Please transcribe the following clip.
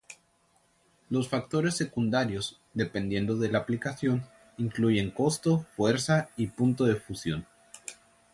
Los factores secundarios, dependiendo de la aplicación, incluyen costo, fuerza y punto de fusión.